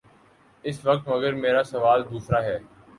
اس وقت مگر میرا سوال دوسرا ہے۔